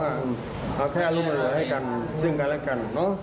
เอาแค่อารมณ์มาให้กันซึ่งกันและกัน